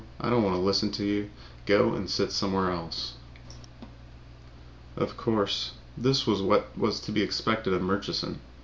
I don't want to listen to you. Go and sit somewhere else." Of course, this was what was to be expected of Murchison.